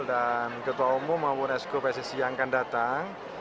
dan ketua umum maupun sku pssi yang akan datang